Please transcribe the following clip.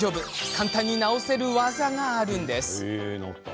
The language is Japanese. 簡単に直せる技があるんです。